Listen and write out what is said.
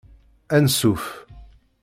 Anṣuf.